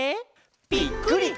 ぴっくり！